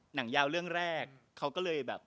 หนังยาวเรื่องแรกเขาก็เลยแบบ